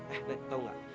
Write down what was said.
eh tau gak